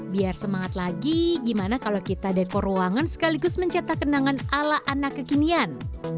biar semangat lagi gimana kalau kita dekor ruangan sekaligus mencetak kenangan ala anak kekinian